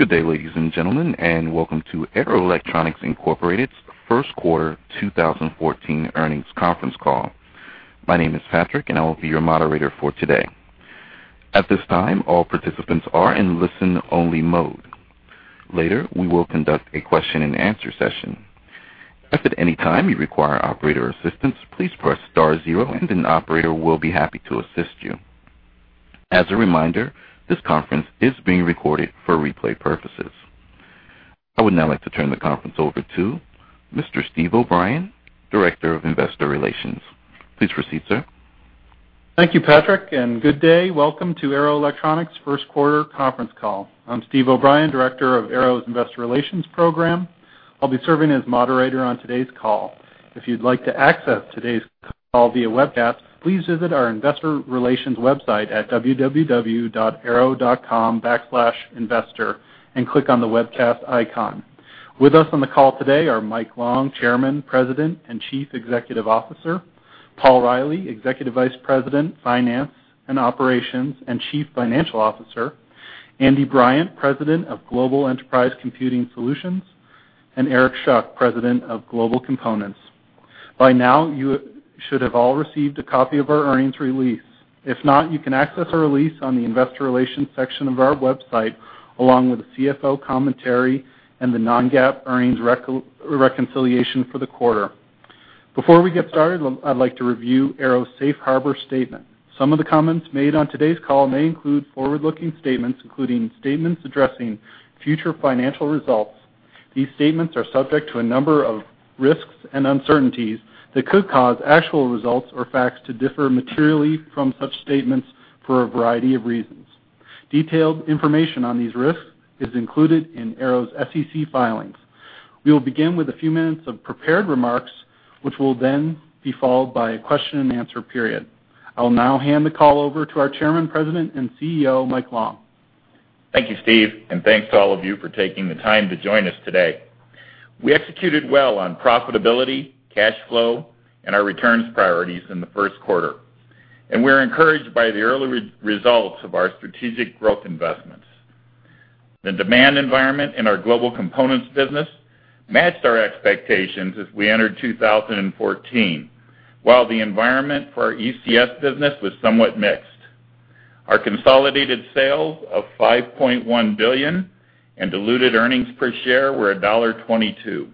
Good day, ladies and gentlemen, and welcome to Arrow Electronics Incorporated's first quarter 2014 earnings conference call. My name is Patrick, and I will be your moderator for today. At this time, all participants are in listen-only mode. Later, we will conduct a question-and-answer session. If at any time you require operator assistance, please press star zero, and an operator will be happy to assist you. As a reminder, this conference is being recorded for replay purposes. I would now like to turn the conference over to Mr. Steve O'Brien, Director of Investor Relations. Please proceed, sir. Thank you, Patrick, and good day. Welcome to Arrow Electronics' first quarter conference call. I'm Steve O'Brien, Director of Arrow's Investor Relations program. I'll be serving as moderator on today's call. If you'd like to access today's call via webcast, please visit our investor relations website at www.arrow.com/investor and click on the Webcast icon. With us on the call today are Mike Long, Chairman, President, and Chief Executive Officer; Paul Reilly, Executive Vice President, Finance and Operations, and Chief Financial Officer; Andy Bryant, President of Global Enterprise Computing Solutions; and Eric Schuck, President of Global Components. By now, you should have all received a copy of our earnings release. If not, you can access our release on the investor relations section of our website, along with the CFO commentary and the non-GAAP earnings reconciliation for the quarter. Before we get started, I'd like to review Arrow's Safe Harbor statement. Some of the comments made on today's call may include forward-looking statements, including statements addressing future financial results. These statements are subject to a number of risks and uncertainties that could cause actual results or facts to differ materially from such statements for a variety of reasons. Detailed information on these risks is included in Arrow's SEC filings. We will begin with a few minutes of prepared remarks, which will then be followed by a question-and-answer period. I'll now hand the call over to our Chairman, President, and CEO, Mike Long. Thank you, Steve, and thanks to all of you for taking the time to join us today. We executed well on profitability, cash flow, and our returns priorities in the first quarter, and we're encouraged by the early results of our strategic growth investments. The demand environment in our Global Components business matched our expectations as we entered 2014, while the environment for our ECS business was somewhat mixed. Our consolidated sales of $5.1 billion and diluted earnings per share were $1.22.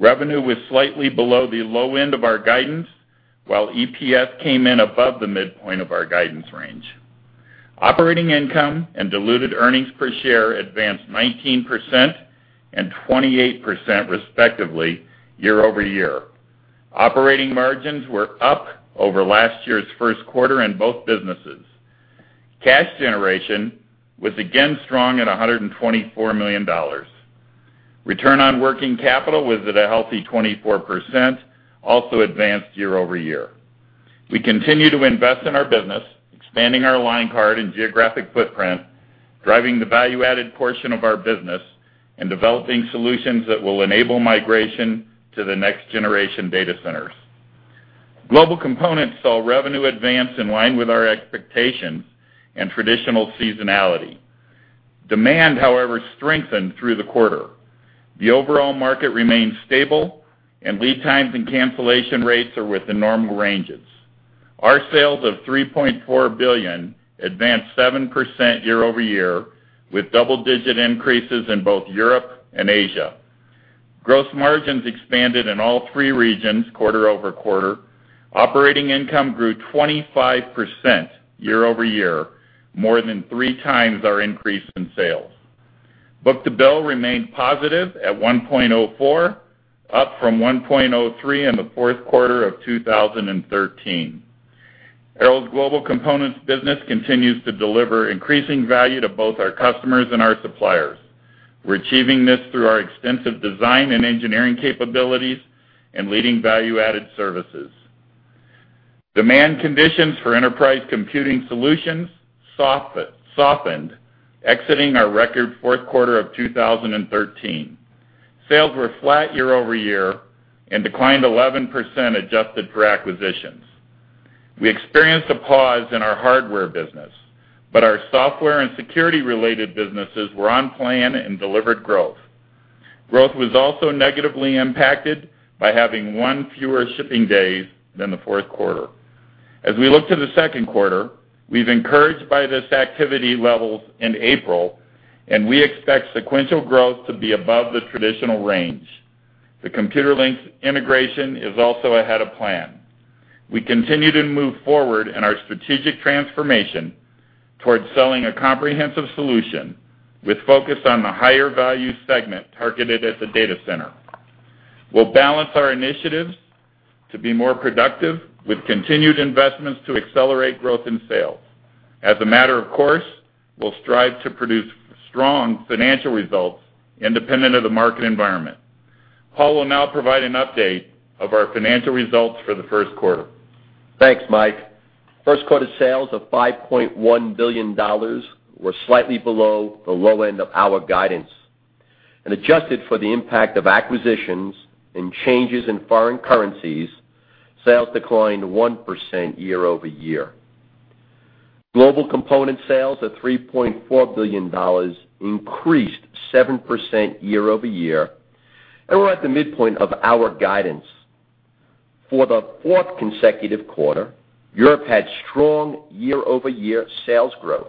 Revenue was slightly below the low end of our guidance, while EPS came in above the midpoint of our guidance range. Operating income and diluted earnings per share advanced 19% and 28%, respectively, year-over-year. Operating margins were up over last year's first quarter in both businesses. Cash generation was again strong at $124 million. Return on working capital was at a healthy 24%, also advanced year-over-year. We continue to invest in our business, expanding our line card and geographic footprint, driving the value-added portion of our business, and developing solutions that will enable migration to the next-generation data centers. Global Components saw revenue advance in line with our expectations and traditional seasonality. Demand, however, strengthened through the quarter. The overall market remains stable, and lead times and cancellation rates are within normal ranges. Our sales of $3.4 billion advanced 7% year-over-year, with double-digit increases in both Europe and Asia. Gross margins expanded in all three regions quarter-over-quarter. Operating income grew 25% year-over-year, more than three times our increase in sales. Book-to-bill remained positive at 1.04, up from 1.03 in the fourth quarter of 2013. Arrow's Global Components business continues to deliver increasing value to both our customers and our suppliers. We're achieving this through our extensive design and engineering capabilities and leading value-added services. Demand conditions for Enterprise Computing Solutions softened, exiting our record fourth quarter of 2013. Sales were flat year-over-year and declined 11%, adjusted for acquisitions. We experienced a pause in our hardware business, but our software and security-related businesses were on plan and delivered growth. Growth was also negatively impacted by having one fewer shipping days than the fourth quarter. As we look to the second quarter, we're encouraged by these activity levels in April, and we expect sequential growth to be above the traditional range. The Computerlinks integration is also ahead of plan. We continue to move forward in our strategic transformation towards selling a comprehensive solution with focus on the higher value segment targeted at the data center. We'll balance our initiatives to be more productive with continued investments to accelerate growth in sales. As a matter of course, we'll strive to produce strong financial results independent of the market environment. Paul will now provide an update of our financial results for the first quarter. Thanks, Mike. First quarter sales of $5.1 billion were slightly below the low end of our guidance, and adjusted for the impact of acquisitions and changes in foreign currencies, sales declined 1% year-over-year. Global component sales of $3.4 billion increased 7% year-over-year, and we're at the midpoint of our guidance. For the fourth consecutive quarter, Europe had strong year-over-year sales growth.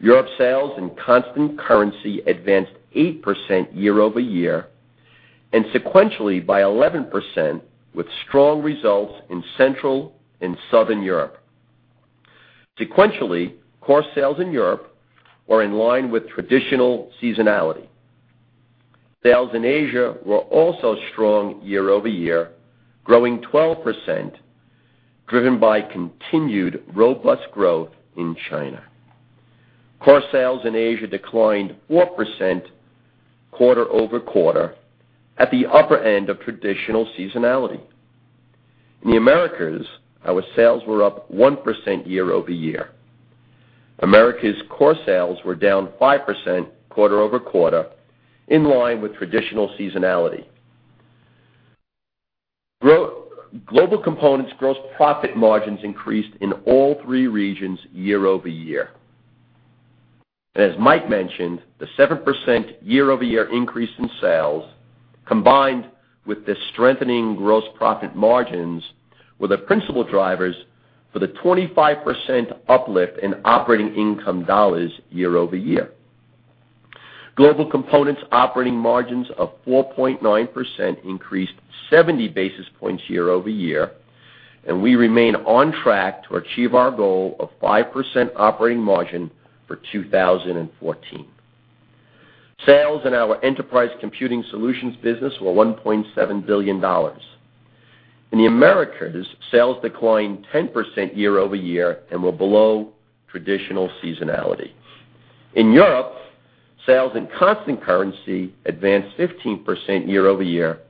Europe sales in constant currency advanced 8% year-over-year, and sequentially by 11%, with strong results in Central and Southern Europe. Sequentially, core sales in Europe were in line with traditional seasonality. Sales in Asia were also strong year-over-year, growing 12%, driven by continued robust growth in China. Core sales in Asia declined 4% quarter-over-quarter at the upper end of traditional seasonality. In the Americas, our sales were up 1% year-over-year. Americas core sales were down 5% quarter-over-quarter, in line with traditional seasonality. Growth—Global Components gross profit margins increased in all three regions year-over-year. As Mike mentioned, the 7% year-over-year increase in sales, combined with the strengthening gross profit margins, were the principal drivers for the 25% uplift in operating income dollars year-over-year. Global Components operating margins of 4.9% increased 70 basis points year-over-year, and we remain on track to achieve our goal of 5% operating margin for 2014. Sales in our Enterprise Computing Solutions business were $1.7 billion. In the Americas, sales declined 10% year-over-year and were below traditional seasonality. In Europe, sales in constant currency advanced 15% year-over-year,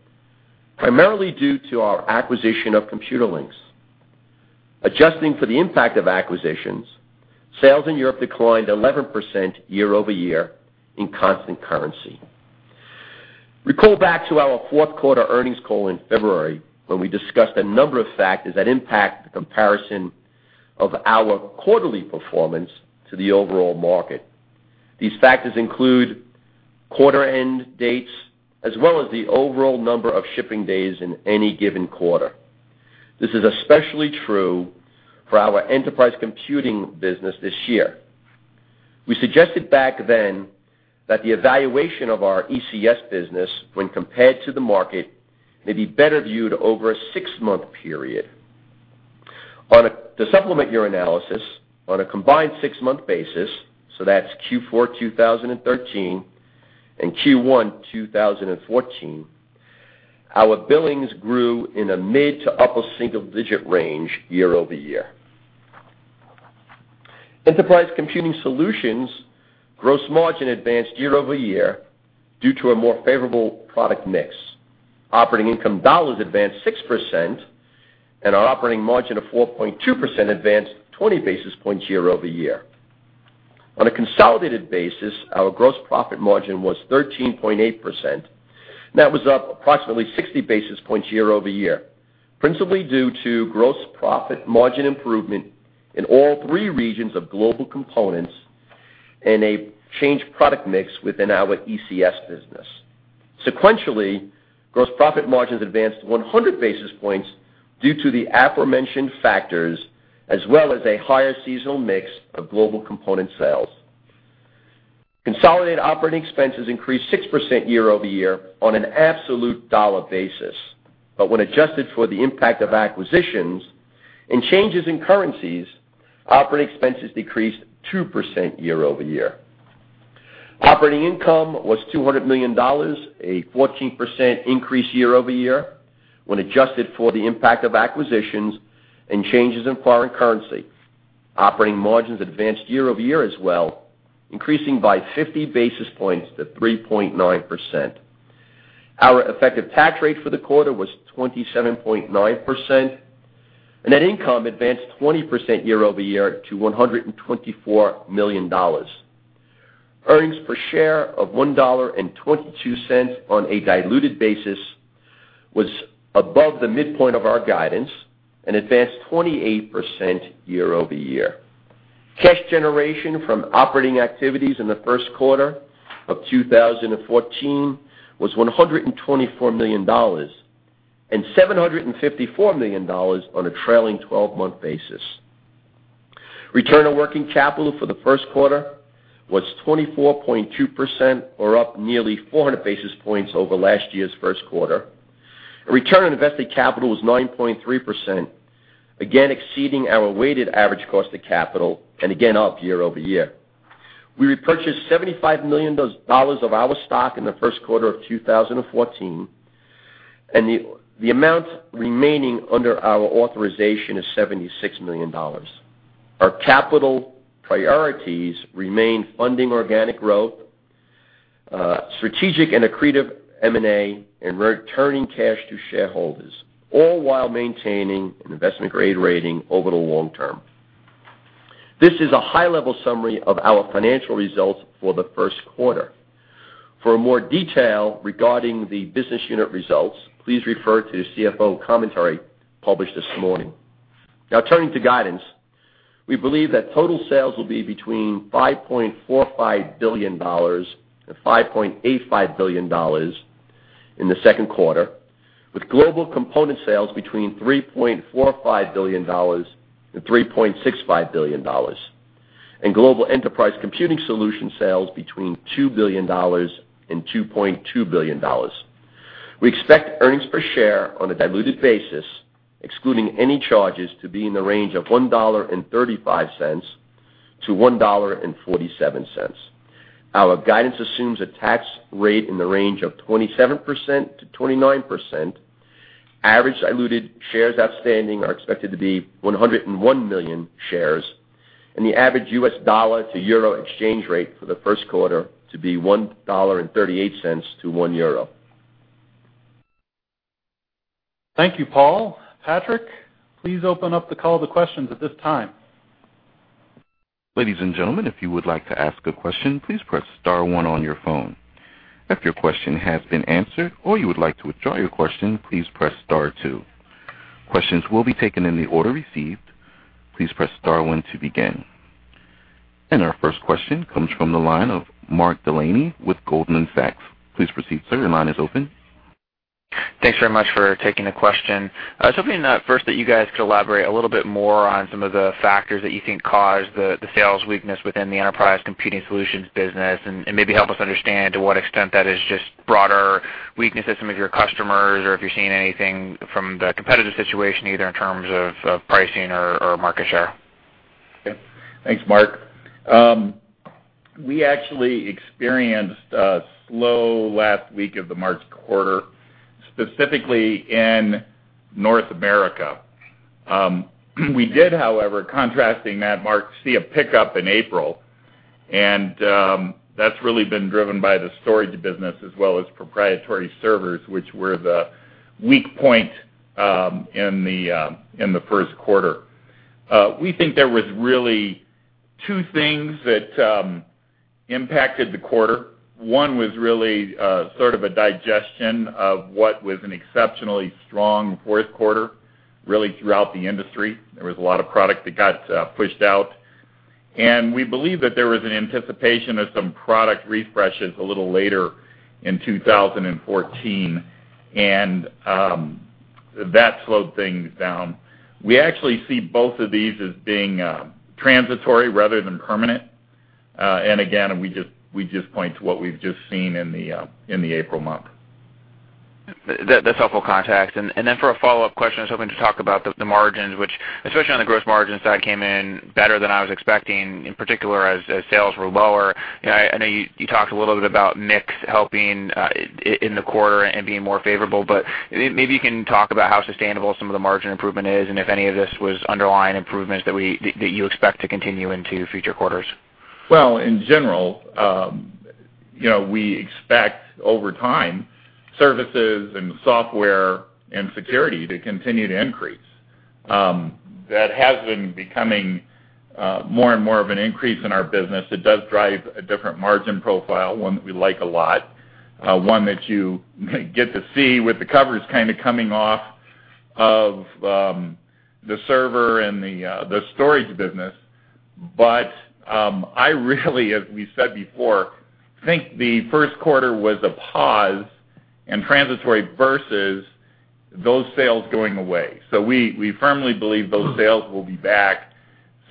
primarily due to our acquisition of Computerlinks. Adjusting for the impact of acquisitions, sales in Europe declined 11% year-over-year in constant currency. Recall back to our fourth quarter earnings call in February, when we discussed a number of factors that impact the comparison of our quarterly performance to the overall market. These factors include quarter end dates, as well as the overall number of shipping days in any given quarter. This is especially true for our enterprise computing business this year. We suggested back then that the evaluation of our ECS business, when compared to the market, may be better viewed over a 6-month period. To supplement your analysis, on a combined six-month basis, so that's Q4 2013 and Q1 2014, our billings grew in a mid- to upper-single-digit range year-over-year. Enterprise Computing Solutions gross margin advanced year-over-year due to a more favorable product mix. Operating income dollars advanced 6%, and our operating margin of 4.2% advanced 20 basis points year-over-year. On a consolidated basis, our gross profit margin was 13.8%, and that was up approximately 60 basis points year-over-year, principally due to gross profit margin improvement in all three regions of Global Components and a changed product mix within our ECS business. Sequentially, gross profit margins advanced 100 basis points due to the aforementioned factors, as well as a higher seasonal mix of Global Components sales. Consolidated operating expenses increased 6% year-over-year on an absolute dollar basis, but when adjusted for the impact of acquisitions and changes in currencies, operating expenses decreased 2% year-over-year. Operating income was $200 million, a 14% increase year-over-year, when adjusted for the impact of acquisitions and changes in foreign currency. Operating margins advanced year-over-year as well, increasing by 50 basis points to 3.9%. Our effective tax rate for the quarter was 27.9%, and net income advanced 20% year-over-year to $124 million. Earnings per share of $1.22 on a diluted basis was above the midpoint of our guidance and advanced 28% year-over-year. Cash generation from operating activities in the first quarter of 2014 was $124 million, and $754 million on a trailing twelve-month basis. Return on working capital for the first quarter was 24.2%, or up nearly 400 basis points over last year's first quarter. Return on invested capital was 9.3%, again, exceeding our weighted average cost of capital, and again, up year-over-year. We repurchased $75 million of our stock in the first quarter of 2014, and the amount remaining under our authorization is $76 million. Our capital priorities remain funding organic growth, strategic and accretive M&A, and returning cash to shareholders, all while maintaining an investment-grade rating over the long term. ...This is a high-level summary of our financial results for the first quarter. For more detail regarding the business unit results, please refer to the CFO commentary published this morning. Now turning to guidance. We believe that total sales will be between $5.45 billion-$5.85 billion in the second quarter, with global component sales between $3.45 billion-$3.65 billion, and global enterprise computing solution sales between $2 billion-$2.2 billion. We expect earnings per share on a diluted basis, excluding any charges, to be in the range of $1.35-$1.47. Our guidance assumes a tax rate in the range of 27%-29%. Average diluted shares outstanding are expected to be 101 million shares, and the average US dollar to euro exchange rate for the first quarter to be $1.38 to €1. Thank you, Paul. Patrick, please open up the call to questions at this time. Ladies and gentlemen, if you would like to ask a question, please press star one on your phone. If your question has been answered or you would like to withdraw your question, please press star two. Questions will be taken in the order received. Please press star one to begin. Our first question comes from the line of Mark Delaney with Goldman Sachs. Please proceed, sir. Your line is open. Thanks very much for taking the question. I was hoping that first that you guys could elaborate a little bit more on some of the factors that you think caused the sales weakness within the Enterprise Computing Solutions business, and maybe help us understand to what extent that is just broader weakness of some of your customers, or if you're seeing anything from the competitive situation, either in terms of pricing or market share. Okay. Thanks, Mark. We actually experienced a slow last week of the March quarter, specifically in North America. We did, however, contrasting that, Mark, see a pickup in April, and that's really been driven by the storage business as well as proprietary servers, which were the weak point in the first quarter. We think there was really two things that impacted the quarter. One was really sort of a digestion of what was an exceptionally strong fourth quarter, really throughout the industry. There was a lot of product that got pushed out, and we believe that there was an anticipation of some product refreshes a little later in 2014, and that slowed things down. We actually see both of these as being transitory rather than permanent. And again, we just, we just point to what we've just seen in the, in the April month. That's helpful context. And then for a follow-up question, I was hoping to talk about the margins, which, especially on the gross margin side, came in better than I was expecting, in particular, as sales were lower. You know, I know you talked a little bit about mix helping in the quarter and being more favorable, but maybe you can talk about how sustainable some of the margin improvement is, and if any of this was underlying improvements that you expect to continue into future quarters. Well, in general, you know, we expect over time, services and software and security to continue to increase. That has been becoming more and more of an increase in our business. It does drive a different margin profile, one that we like a lot. One that you get to see with the covers kind of coming off of the server and the storage business. But I really, as we said before, think the first quarter was a pause and transitory versus those sales going away. So we firmly believe those sales will be back.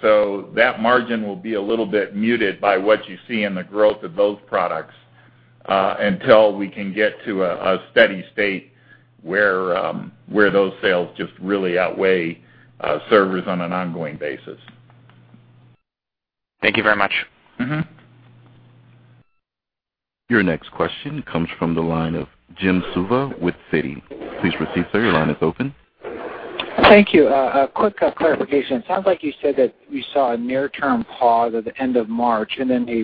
So that margin will be a little bit muted by what you see in the growth of those products until we can get to a steady state where those sales just really outweigh servers on an ongoing basis. Thank you very much. Mm-hmm. Your next question comes from the line of Jim Suva with Citi. Please proceed, sir. Your line is open. Thank you. A quick clarification. It sounds like you said that we saw a near-term pause at the end of March and then a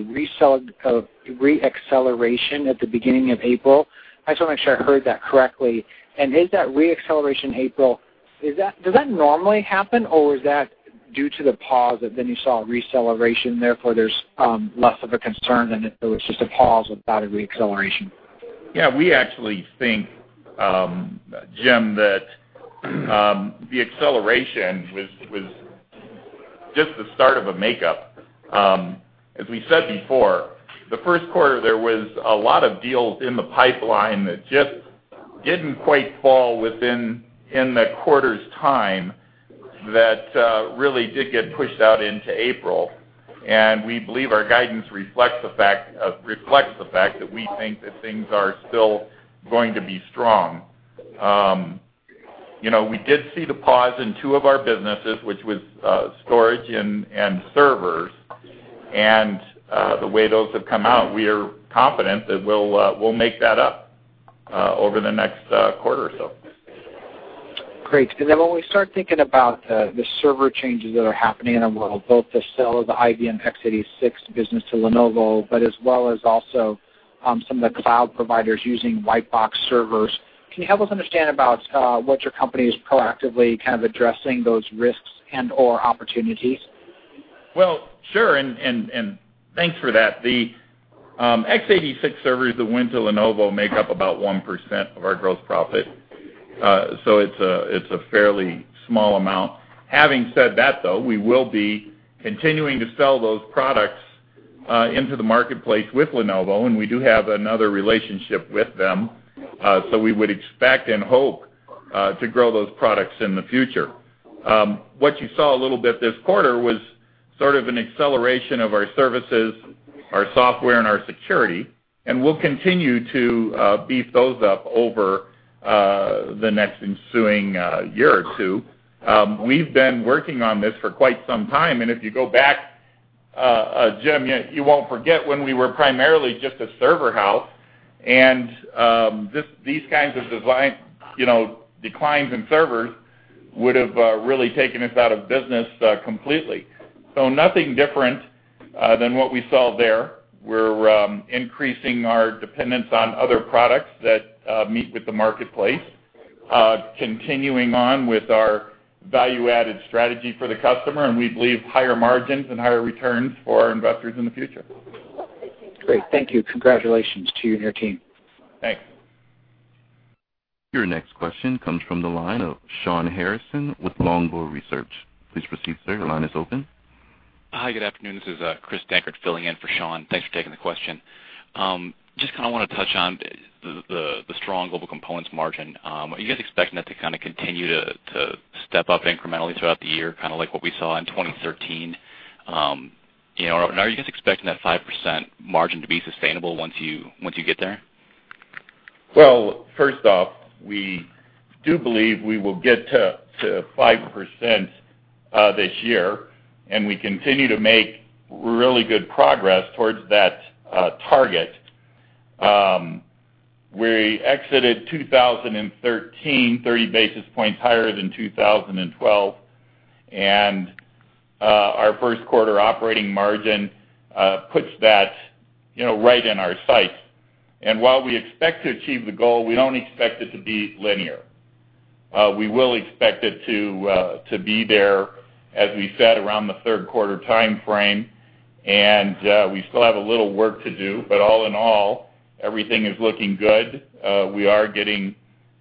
re-acceleration at the beginning of April. I just wanna make sure I heard that correctly. And is that re-acceleration in April, does that normally happen, or is that due to the pause, and then you saw a re-acceleration, therefore, there's less of a concern than if it was just a pause without a re-acceleration? Yeah, we actually think, Jim, that the acceleration was just the start of a makeup. As we said before, the first quarter, there was a lot of deals in the pipeline that just didn't quite fall within, in the quarter's time, that really did get pushed out into April. And we believe our guidance reflects the fact that we think that things are still going to be strong. You know, we did see the pause in two of our businesses, which was storage and servers, and the way those have come out, we are confident that we'll make that up over the next quarter or so. Great. So then when we start thinking about, the server changes that are happening in a while, both the sale of the IBM x86 business to Lenovo, but as well as some of the cloud providers using white box servers. Can you help us understand about, what your company is proactively kind of addressing those risks and or opportunities? Well, sure, thanks for that. The x86 servers that went to Lenovo make up about 1% of our gross profit. So it's a fairly small amount. Having said that, though, we will be continuing to sell those products into the marketplace with Lenovo, and we do have another relationship with them. So we would expect and hope to grow those products in the future. What you saw a little bit this quarter was sort of an acceleration of our services, our software, and our security, and we'll continue to beef those up over the next ensuing year or two. We've been working on this for quite some time, and if you go back, Jim, you won't forget when we were primarily just a server house and these kinds of design, you know, declines in servers would have really taken us out of business completely. So nothing different than what we saw there. We're increasing our dependence on other products that meet with the marketplace, continuing on with our value-added strategy for the customer, and we believe higher margins and higher returns for our investors in the future. Great. Thank you. Congratulations to you and your team. Thanks. Your next question comes from the line of Shawn Harrison with Longbow Research. Please proceed, sir. Your line is open. Hi, good afternoon. This is Chris Dankert filling in for Shawn. Thanks for taking the question. Just kind of want to touch on the strong Global Components margin. Are you guys expecting that to kind of continue to step up incrementally throughout the year, kind of like what we saw in 2013? You know, and are you guys expecting that 5% margin to be sustainable once you get there? Well, first off, we do believe we will get to 5%, this year, and we continue to make really good progress towards that target. We exited 2013, 30 basis points higher than 2012, and our first quarter operating margin puts that, you know, right in our sights. And while we expect to achieve the goal, we don't expect it to be linear. We will expect it to be there, as we said, around the third quarter timeframe, and we still have a little work to do. But all in all, everything is looking good. We are getting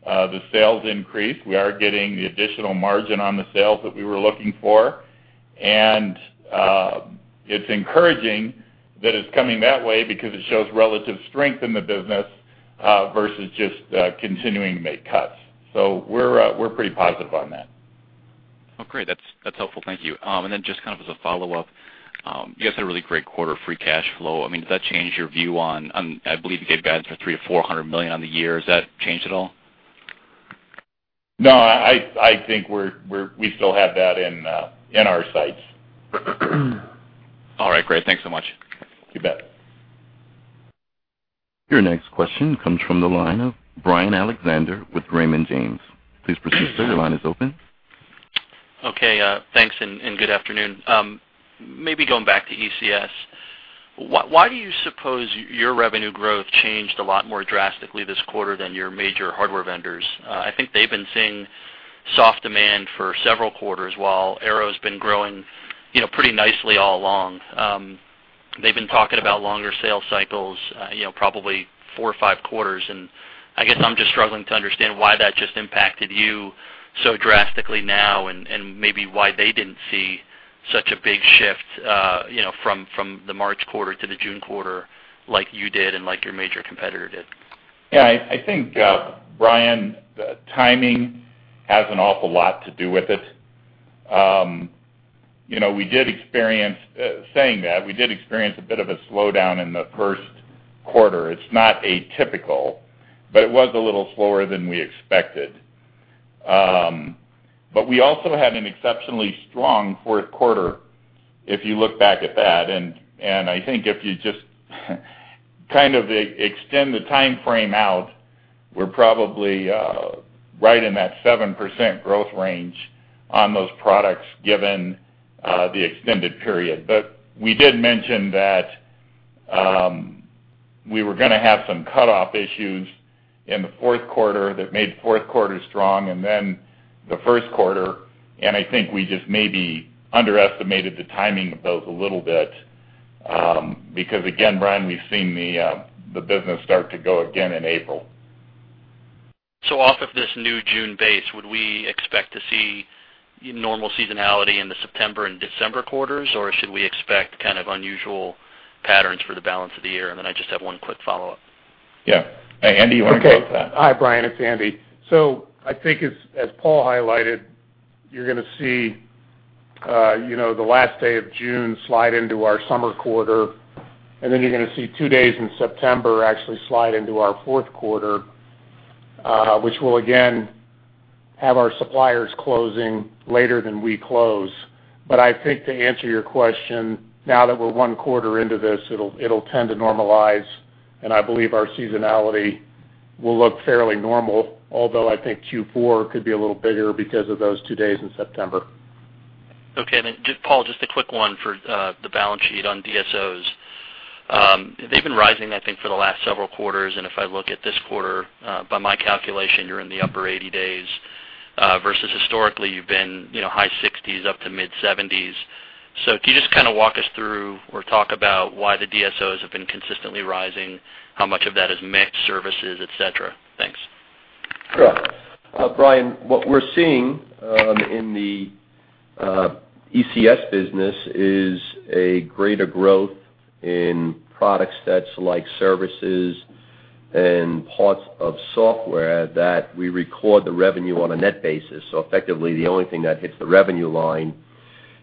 the sales increase. We are getting the additional margin on the sales that we were looking for. It's encouraging that it's coming that way because it shows relative strength in the business, versus just continuing to make cuts. We're pretty positive on that. Well, great. That's, that's helpful. Thank you. And then just kind of as a follow-up, you guys had a really great quarter of free cash flow. I mean, does that change your view on, on... I believe you gave guidance for $300 million-$400 million on the year. Has that changed at all? No, I think we're, we still have that in our sights. All right, great. Thanks so much. You bet. Your next question comes from the line of Brian Alexander with Raymond James. Please proceed, sir. Your line is open. Okay, thanks and good afternoon. Maybe going back to ECS, why do you suppose your revenue growth changed a lot more drastically this quarter than your major hardware vendors? I think they've been seeing soft demand for several quarters, while Arrow's been growing, you know, pretty nicely all along. They've been talking about longer sales cycles, you know, probably four or five quarters, and I guess I'm just struggling to understand why that just impacted you so drastically now, and maybe why they didn't see such a big shift, you know, from the March quarter to the June quarter, like you did and like your major competitor did. Yeah, I think, Brian, the timing has an awful lot to do with it. You know, we did experience a bit of a slowdown in the first quarter. It's not atypical, but it was a little slower than we expected. But we also had an exceptionally strong fourth quarter, if you look back at that, and I think if you just kind of extend the timeframe out, we're probably right in that 7% growth range on those products, given the extended period. But we did mention that we were gonna have some cutoff issues in the fourth quarter that made the fourth quarter strong and then the first quarter, and I think we just maybe underestimated the timing of those a little bit. Because again, Brian, we've seen the business start to go again in April. Off of this new June base, would we expect to see normal seasonality in the September and December quarters, or should we expect kind of unusual patterns for the balance of the year? Then I just have one quick follow-up. Yeah. Hey, Andy, you want to take that? Okay. Hi, Brian, it's Andy. So I think as, as Paul highlighted, you're gonna see, you know, the last day of June slide into our summer quarter, and then you're gonna see two days in September actually slide into our fourth quarter, which will again have our suppliers closing later than we close. But I think to answer your question, now that we're one quarter into this, it'll, it'll tend to normalize, and I believe our seasonality will look fairly normal, although I think Q4 could be a little bigger because of those two days in September.... Okay, then just, Paul, just a quick one for, the balance sheet on DSOs. They've been rising, I think, for the last several quarters, and if I look at this quarter, by my calculation, you're in the upper 80 days, versus historically, you've been, you know, high 60s up to mid-70s. So can you just kind of walk us through or talk about why the DSOs have been consistently rising? How much of that is mixed, services, et cetera? Thanks. Sure. Brian, what we're seeing in the ECS business is a greater growth in products that's like services and parts of software that we record the revenue on a net basis. So effectively, the only thing that hits the revenue line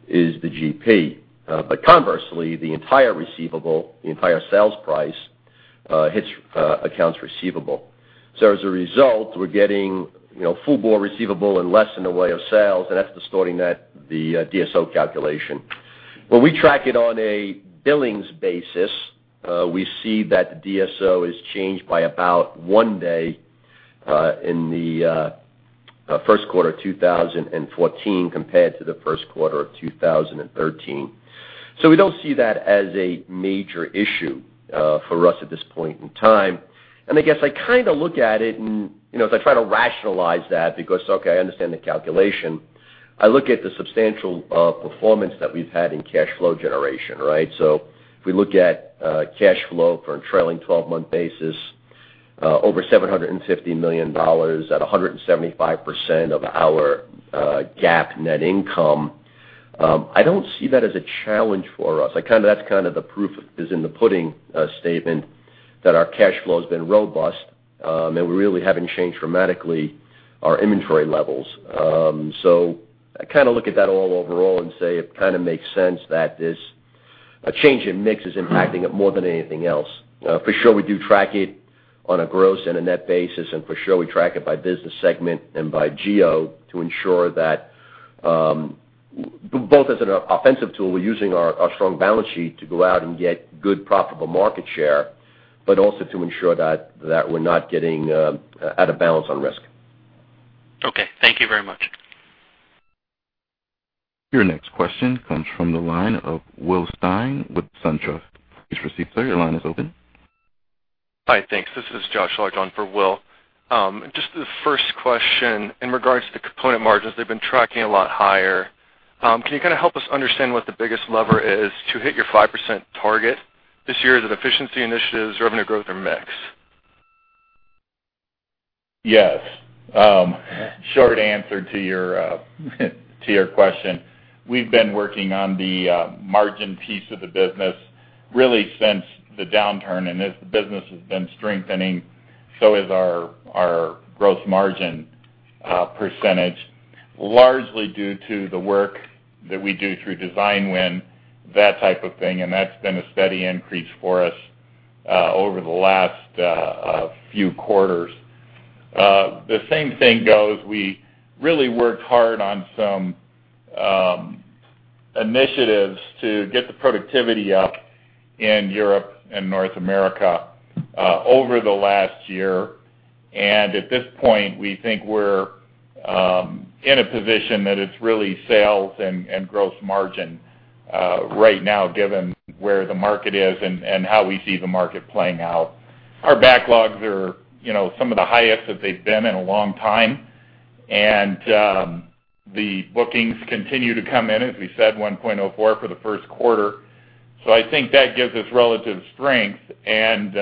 is the GP. But conversely, the entire receivable, the entire sales price, hits accounts receivable. So as a result, we're getting, you know, full more receivable and less in the way of sales, and that's distorting that, the DSO calculation. When we track it on a billings basis, we see that the DSO has changed by about one day in the first quarter of 2014 compared to the first quarter of 2013. So we don't see that as a major issue for us at this point in time. I guess I kind of look at it and, you know, as I try to rationalize that, because, okay, I understand the calculation, I look at the substantial performance that we've had in cash flow generation, right? So if we look at cash flow for a trailing 12-month basis, over $750 million at 175% of our GAAP net income, I don't see that as a challenge for us. That's kind of the proof is in the pudding statement that our cash flow has been robust, and we really haven't changed dramatically our inventory levels. So I kind of look at that all overall and say it kind of makes sense that this, a change in mix is impacting it more than anything else. For sure, we do track it on a gross and a net basis, and for sure, we track it by business segment and by geo to ensure that both as an offensive tool, we're using our strong balance sheet to go out and get good profitable market share, but also to ensure that we're not getting out of balance on risk. Okay. Thank you very much. Your next question comes from the line of Will Stein with SunTrust. Please proceed, sir. Your line is open. Hi, thanks. This is Josh Langan for Will. Just the first question, in regards to the component margins, they've been tracking a lot higher. Can you kind of help us understand what the biggest lever is to hit your 5% target this year? Is it efficiency initiatives, revenue growth, or mix? Yes. Short answer to your question. We've been working on the margin piece of the business really since the downturn, and as the business has been strengthening, so has our gross margin percentage, largely due to the work that we do through design win, that type of thing, and that's been a steady increase for us over the last few quarters. The same thing goes, we really worked hard on some initiatives to get the productivity up in Europe and North America over the last year. And at this point, we think we're in a position that it's really sales and gross margin right now, given where the market is and how we see the market playing out. Our backlogs are, you know, some of the highest that they've been in a long time, and the bookings continue to come in, as we said, 1.04 for the first quarter. So I think that gives us relative strength and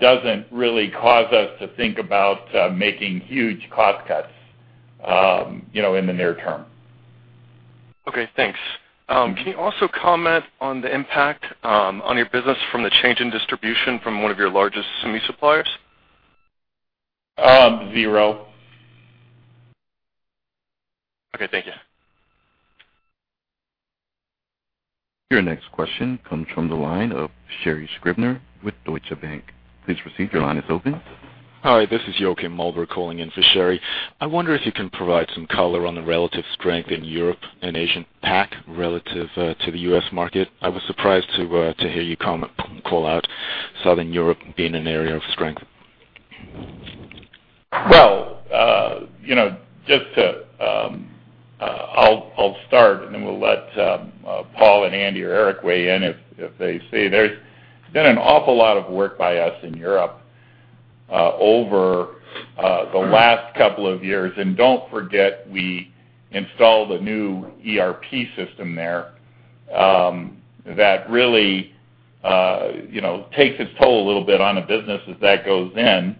doesn't really cause us to think about making huge cost cuts, you know, in the near term. Okay, thanks. Mm-hmm. Can you also comment on the impact on your business from the change in distribution from one of your largest semi suppliers? Um, zero. Okay, thank you. Your next question comes from the line of Sherry Scribner with Deutsche Bank. Please proceed, your line is open. Hi, this is Joachim Müller calling in for Sherry. I wonder if you can provide some color on the relative strength in Europe and Asia-Pac relative to the U.S. market. I was surprised to hear you call out Southern Europe being an area of strength. Well, you know, just to, I'll start, and then we'll let Paul and Andy or Eric weigh in if they see. There's been an awful lot of work by us in Europe over the last couple of years. And don't forget, we installed a new ERP system there, that really, you know, takes its toll a little bit on a business as that goes in.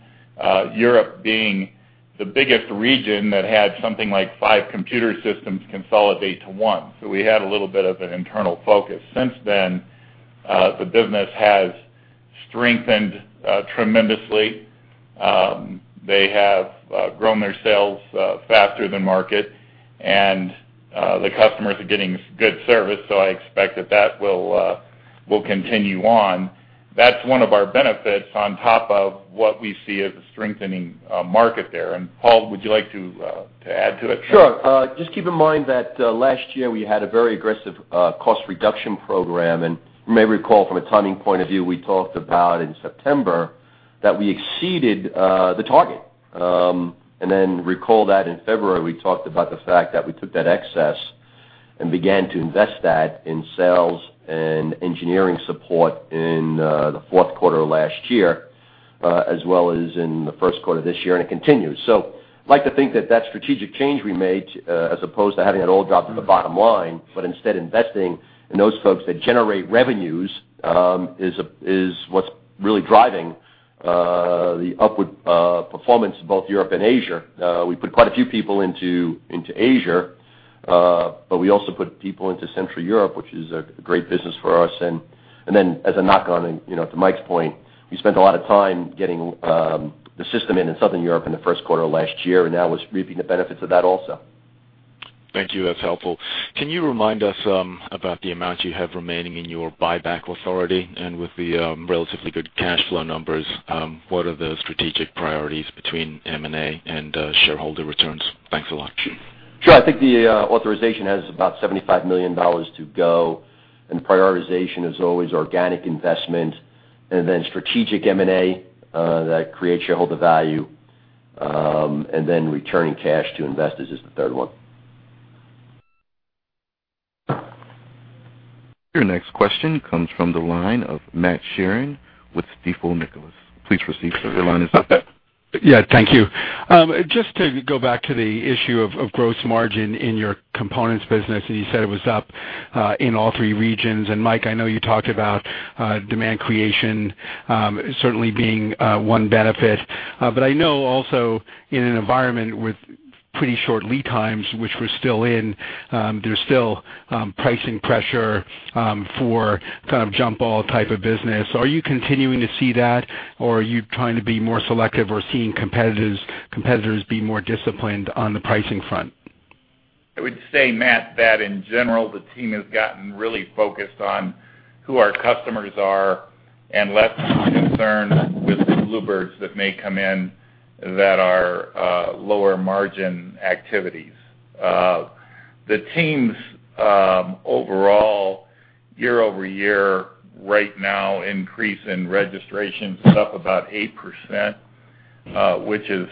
Europe being the biggest region that had something like five computer systems consolidate to one. So we had a little bit of an internal focus. Since then, the business has strengthened tremendously. They have grown their sales faster than market, and the customers are getting good service, so I expect that that will continue on. That's one of our benefits on top of what we see as a strengthening market there. And Paul, would you like to add to that? Sure. Just keep in mind that, last year, we had a very aggressive, cost reduction program, and you may recall from a timing point of view, we talked about in September that we exceeded, the target. And then recall that in February, we talked about the fact that we took that excess and began to invest that in sales and engineering support in, the fourth quarter of last year, as well as in the first quarter of this year, and it continues. So I'd like to think that that strategic change we made, as opposed to having it all drop to the bottom line, but instead investing in those folks that generate revenues, is, is what's really driving, the upward, performance in both Europe and Asia. We put quite a few people into Asia, but we also put people into Central Europe, which is a great business for us. And then as a knock-on, you know, to Mike's point, we spent a lot of time getting the system in Southern Europe in the first quarter of last year, and now was reaping the benefits of that also. Thank you. That's helpful. Can you remind us about the amount you have remaining in your buyback authority? And with the relatively good cash flow numbers, what are the strategic priorities between M&A and shareholder returns? Thanks a lot. Sure. I think the authorization has about $75 million to go, and prioritization is always organic investment, and then strategic M&A that creates shareholder value, and then returning cash to investors is the third one. Your next question comes from the line of Matt Sheerin with Stifel Nicolaus. Please proceed. Your line is open. Yeah, thank you. Just to go back to the issue of gross margin in your components business, and you said it was up in all three regions. And Mike, I know you talked about demand creation certainly being one benefit. But I know also in an environment with pretty short lead times, which we're still in, there's still pricing pressure for kind of jump-all type of business. Are you continuing to see that? Or are you trying to be more selective or seeing competitors be more disciplined on the pricing front? I would say, Matt, that in general, the team has gotten really focused on who our customers are and less concerned with the bluebirds that may come in that are lower margin activities. The teams overall, year-over-year, right now, increase in registration is up about 8%, which is,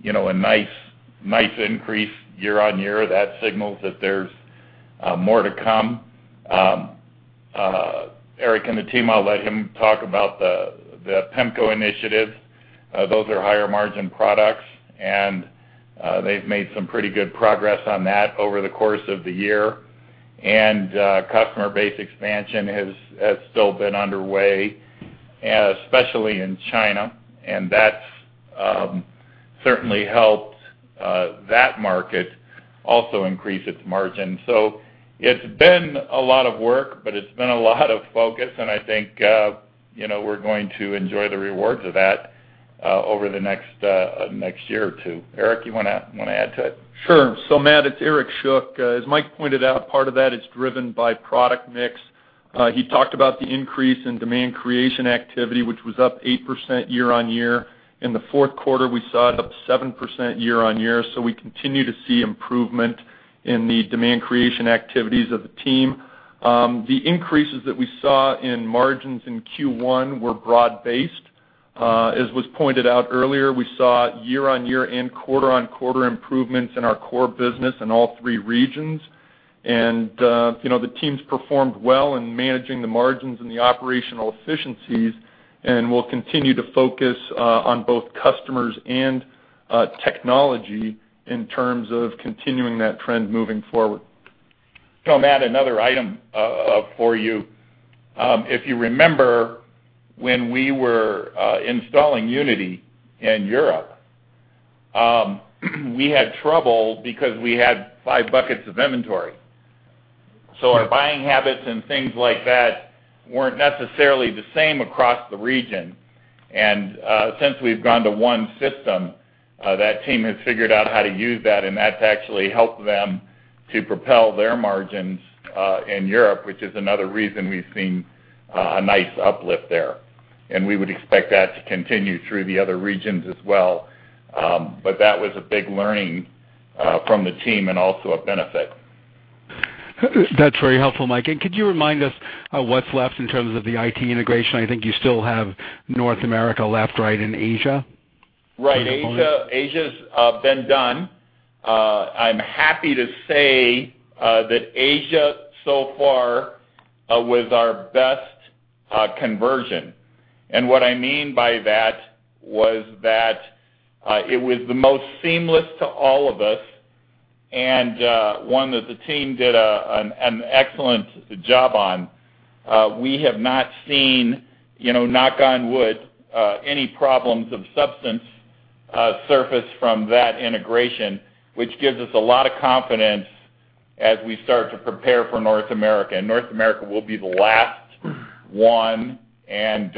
you know, a nice, nice increase year-on-year. That signals that there's more to come. Eric and the team, I'll let him talk about the PEMCO initiative. Those are higher margin products, and they've made some pretty good progress on that over the course of the year. And customer base expansion has still been underway, especially in China, and that's certainly helped that market also increase its margin. So it's been a lot of work, but it's been a lot of focus, and I think, you know, we're going to enjoy the rewards of that over the next year or two. Eric, you wanna add to it? Sure. So, Matt, it's Eric Schuck. As Mike pointed out, part of that is driven by product mix. He talked about the increase in demand creation activity, which was up 8% year-on-year. In the fourth quarter, we saw it up 7% year-on-year, so we continue to see improvement in the demand creation activities of the team. The increases that we saw in margins in Q1 were broad-based. As was pointed out earlier, we saw year-on-year and quarter-on-quarter improvements in our core business in all three regions. And, you know, the teams performed well in managing the margins and the operational efficiencies, and we'll continue to focus on both customers and technology in terms of continuing that trend moving forward. So Matt, another item for you. If you remember, when we were installing Unity in Europe, we had trouble because we had five buckets of inventory. So our buying habits and things like that weren't necessarily the same across the region. And since we've gone to one system, that team has figured out how to use that, and that's actually helped them to propel their margins in Europe, which is another reason we've seen a nice uplift there. And we would expect that to continue through the other regions as well. But that was a big learning from the team and also a benefit. That's very helpful, Mike. Could you remind us of what's left in terms of the IT integration? I think you still have North America left, right, and Asia? Right. And Asia- Asia, Asia's been done. I'm happy to say that Asia, so far, was our best conversion. And what I mean by that was that it was the most seamless to all of us and one that the team did an excellent job on. We have not seen, you know, knock on wood, any problems of substance surfaced from that integration, which gives us a lot of confidence as we start to prepare for North America. And North America will be the last one, and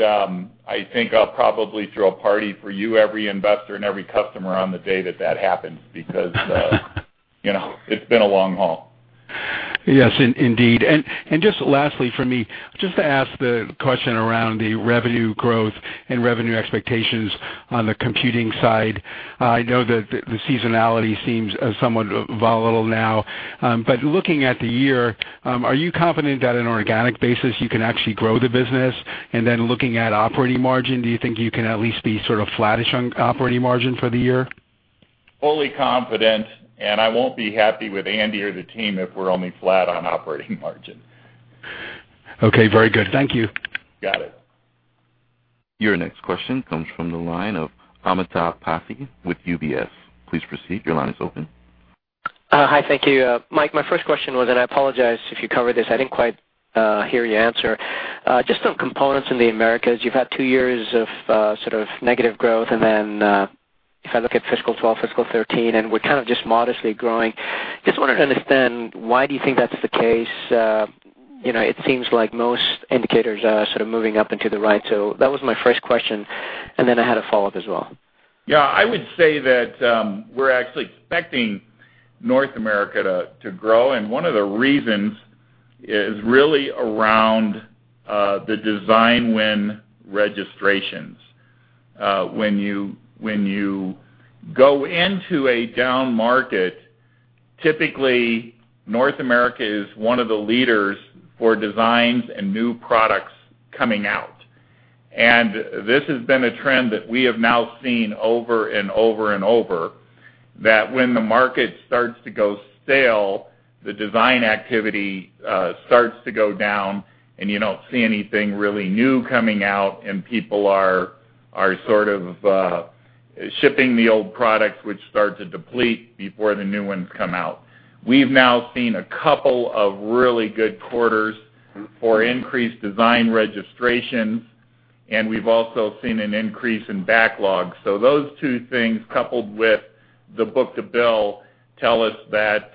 I think I'll probably throw a party for you, every investor, and every customer on the day that that happens, because you know, it's been a long haul. Yes, indeed. And just lastly, for me, just to ask the question around the revenue growth and revenue expectations on the computing side. I know that the seasonality seems somewhat volatile now, but looking at the year, are you confident that on an organic basis, you can actually grow the business? And then looking at operating margin, do you think you can at least be sort of flattish on operating margin for the year? ... fully confident, and I won't be happy with Andy or the team if we're only flat on operating margin. Okay, very good. Thank you. Got it. Your next question comes from the line of Amitabh Passi with UBS. Please proceed, your line is open. Hi, thank you. Mike, my first question was, and I apologize if you covered this, I didn't quite hear your answer. Just on components in the Americas, you've had two years of sort of negative growth. And then, if I look at fiscal 2012, fiscal 2013, and we're kind of just modestly growing. Just wanted to understand, why do you think that's the case? You know, it seems like most indicators are sort of moving up into the right. So that was my first question, and then I had a follow-up as well. Yeah, I would say that, we're actually expecting North America to, to grow, and one of the reasons is really around, the design win registrations. When you, when you go into a down market, typically, North America is one of the leaders for designs and new products coming out. This has been a trend that we have now seen over and over and over, that when the market starts to go stale, the design activity, starts to go down, and you don't see anything really new coming out, and people are, are sort of, shipping the old products, which start to deplete before the new ones come out. We've now seen a couple of really good quarters for increased design registrations, and we've also seen an increase in backlog. So those two things, coupled with the book-to-bill, tell us that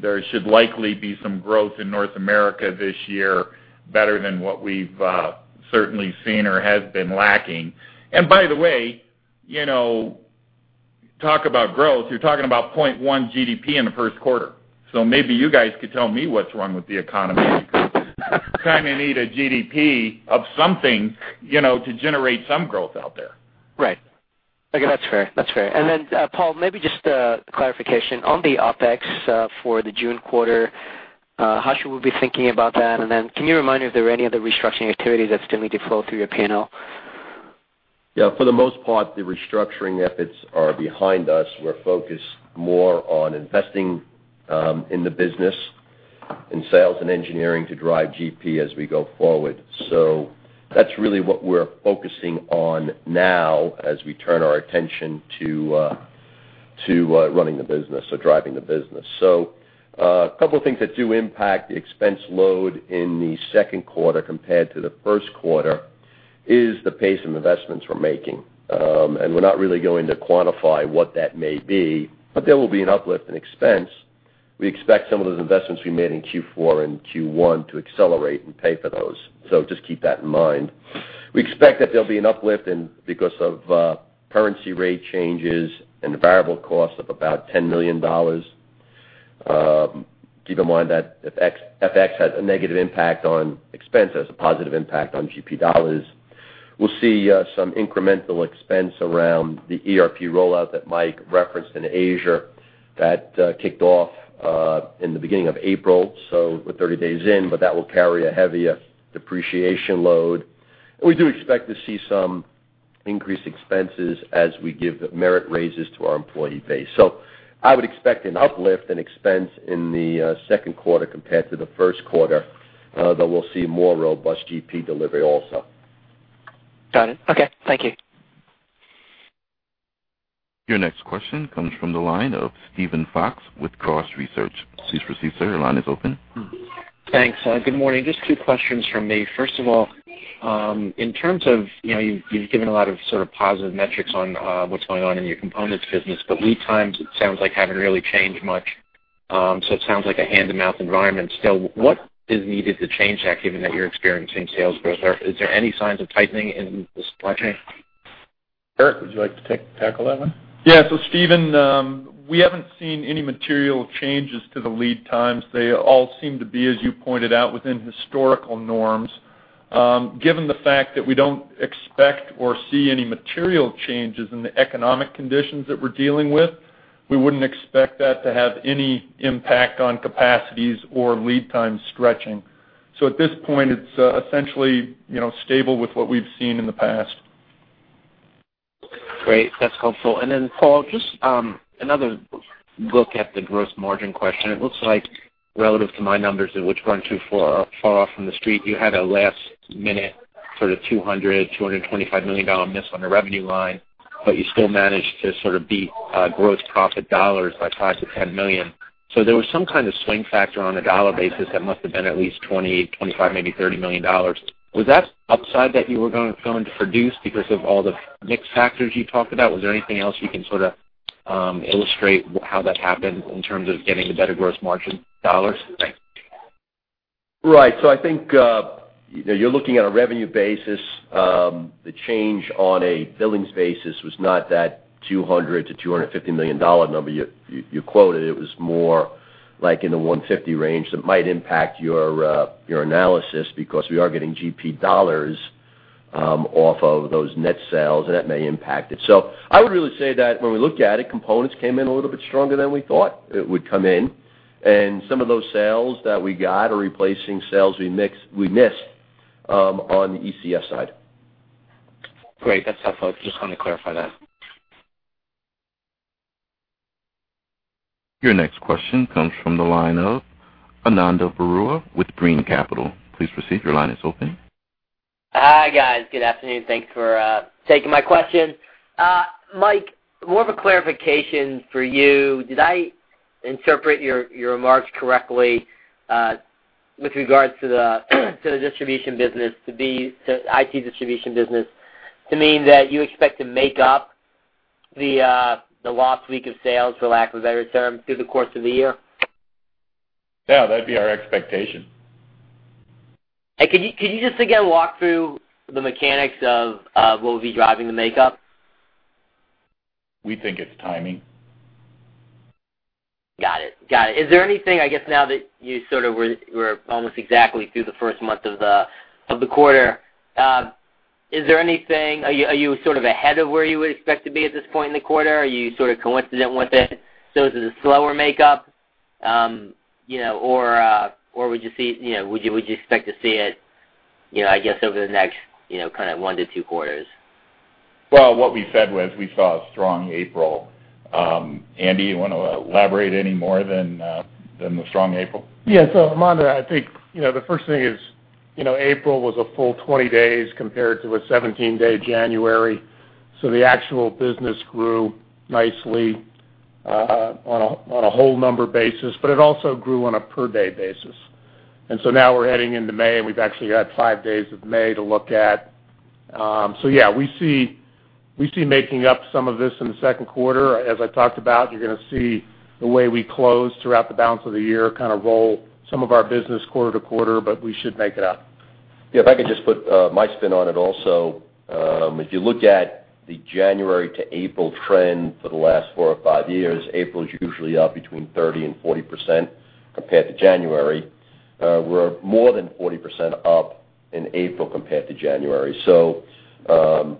there should likely be some growth in North America this year, better than what we've certainly seen or has been lacking. And by the way, you know, talk about growth, you're talking about 0.1 GDP in the first quarter. So maybe you guys could tell me what's wrong with the economy. Kinda need a GDP of something, you know, to generate some growth out there. Right. Okay, that's fair. That's fair. And then, Paul, maybe just clarification. On the OpEx, for the June quarter, how should we be thinking about that? And then can you remind me if there are any other restructuring activities that still need to flow through your P&L? Yeah, for the most part, the restructuring efforts are behind us. We're focused more on investing in the business, in sales and engineering to drive GP as we go forward. So that's really what we're focusing on now as we turn our attention to running the business or driving the business. So a couple of things that do impact the expense load in the second quarter compared to the first quarter is the pace of investments we're making. And we're not really going to quantify what that may be, but there will be an uplift in expense. We expect some of those investments we made in Q4 and Q1 to accelerate and pay for those, so just keep that in mind. We expect that there'll be an uplift in because of currency rate changes and the variable cost of about $10 million. Keep in mind that if FX has a negative impact on expense, has a positive impact on GP dollars. We'll see some incremental expense around the ERP rollout that Mike referenced in Asia. That kicked off in the beginning of April, so we're 30 days in, but that will carry a heavier depreciation load. We do expect to see some increased expenses as we give merit raises to our employee base. So I would expect an uplift in expense in the second quarter compared to the first quarter, but we'll see a more robust GP delivery also. Got it. Okay, thank you. Your next question comes from the line of Steven Fox with Cross Research. Please proceed, sir. Your line is open. Thanks. Good morning. Just two questions from me. First of all, in terms of, you know, you've given a lot of sort of positive metrics on what's going on in your components business, but lead times, it sounds like, haven't really changed much. So it sounds like a hand-to-mouth environment still. What is needed to change that, given that you're experiencing sales growth? Is there any signs of tightening in the supply chain? Eric, would you like to tackle that one? Yeah. So, Steven, we haven't seen any material changes to the lead times. They all seem to be, as you pointed out, within historical norms. Given the fact that we don't expect or see any material changes in the economic conditions that we're dealing with, we wouldn't expect that to have any impact on capacities or lead time stretching. So at this point, it's essentially, you know, stable with what we've seen in the past. Great, that's helpful. And then, Paul, just another look at the gross margin question. It looks like relative to my numbers, which aren't too far, far off from the street, you had a last-minute sort of $200 million-$225 million miss on the revenue line, but you still managed to sort of beat gross profit dollars by $5 million-$10 million. So there was some kind of swing factor on a dollar basis that must have been at least $20 million-$25 million, maybe $30 million. Was that upside that you were going to produce because of all the mix factors you talked about? Was there anything else you can sort of illustrate how that happened in terms of getting the better gross margin dollars? Thanks. Right. So I think you're looking at a revenue basis. The change on a billings basis was not that $200 million-$250 million number you quoted. It was more like in the $150 million range. That might impact your analysis because we are getting GP dollars off of those net sales, and that may impact it. So I would really say that when we look at it, components came in a little bit stronger than we thought it would come in, and some of those sales that we got are replacing sales we missed on the ECS side.... Great. That's helpful. Just wanted to clarify that. Your next question comes from the line of Ananda Baruah with Brean Capital. Please proceed. Your line is open. Hi, guys. Good afternoon. Thanks for taking my question. Mike, more of a clarification for you. Did I interpret your, your remarks correctly, with regards to the, to the distribution business, to the, to IT distribution business, to mean that you expect to make up the, the lost week of sales, for lack of a better term, through the course of the year? Yeah, that'd be our expectation. And could you just again walk through the mechanics of what would be driving the makeup? We think it's timing. Got it. Got it. Is there anything, I guess, now that you sort of were almost exactly through the first month of the quarter, is there anything, are you, are you sort of ahead of where you would expect to be at this point in the quarter? Are you sort of coincident with it, so is it a slower makeup? You know, or, or would you see, you know, would you, would you expect to see it, you know, I guess, over the next, you know, kind of one to two quarters? Well, what we said was we saw a strong April. Andy, you wanna elaborate any more than the strong April? Yeah. So, Ananda, I think, you know, the first thing is, you know, April was a full 20 days compared to a 17-day January, so the actual business grew nicely on a, on a whole number basis, but it also grew on a per-day basis. And so now we're heading into May, and we've actually had 5 days of May to look at. So yeah, we see, we see making up some of this in the second quarter. As I talked about, you're gonna see the way we close throughout the balance of the year, kind of roll some of our business quarter to quarter, but we should make it up. Yeah, if I could just put my spin on it also. If you look at the January to April trend for the last four or five years, April is usually up between 30%-40% compared to January. We're more than 40% up in April compared to January. So,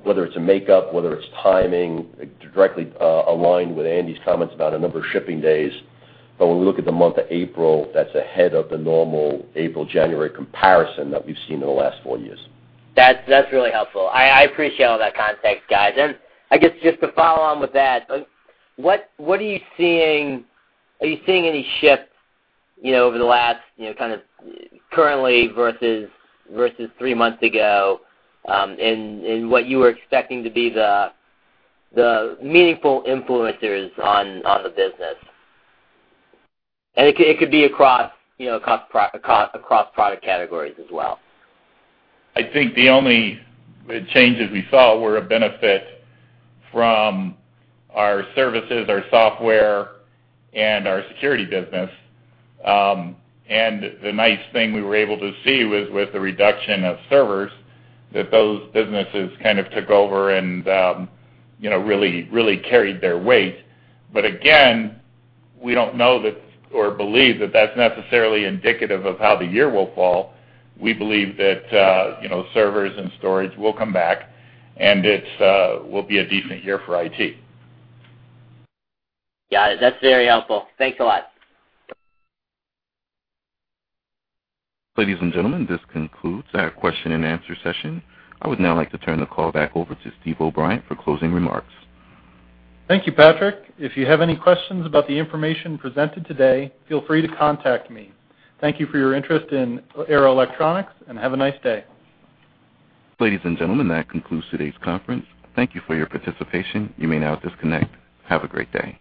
whether it's a makeup, whether it's timing, directly aligned with Andy's comments about a number of shipping days, but when we look at the month of April, that's ahead of the normal April-January comparison that we've seen in the last four years. That's really helpful. I appreciate all that context, guys. I guess just to follow on with that, what are you seeing, are you seeing any shift, you know, over the last, you know, kind of currently versus three months ago, in what you were expecting to be the meaningful influencers on the business? It could be across, you know, across product categories as well. I think the only changes we saw were a benefit from our services, our software, and our security business. And the nice thing we were able to see was with the reduction of servers, that those businesses kind of took over and, you know, really, really carried their weight. But again, we don't know that or believe that that's necessarily indicative of how the year will fall. We believe that, you know, servers and storage will come back, and it will be a decent year for IT. Got it. That's very helpful. Thanks a lot. Ladies and gentlemen, this concludes our question-and-answer session. I would now like to turn the call back over to Steve O’Brien for closing remarks. Thank you, Patrick. If you have any questions about the information presented today, feel free to contact me. Thank you for your interest in Arrow Electronics, and have a nice day. Ladies and gentlemen, that concludes today's conference. Thank you for your participation. You may now disconnect. Have a great day.